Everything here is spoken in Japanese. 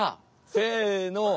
せの！